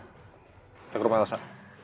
kita ke rumah elsa